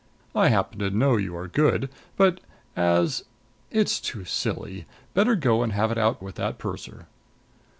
I happen to know you are good. But as It's too silly! Better go and have it out with that purser."